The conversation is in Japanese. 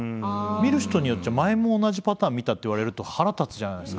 見る人によっちゃ前も同じパターン見たって言われると腹立つじゃないですか。